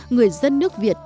những nước việt